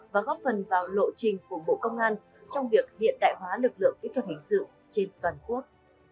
và góp phần vào lộ trình của bộ công an trong việc hiện đại hóa lực lượng kỹ thuật hình sự trên toàn quốc